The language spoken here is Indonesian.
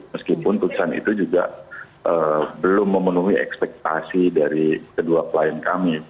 meskipun putusan itu juga belum memenuhi ekspektasi dari kedua klien kami